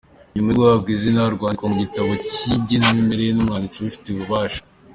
Nyuma yo guhabwa izina, ryandikwa mu gitabo cy’irangamimerere n’umwanditsi ubifitiye ububasha.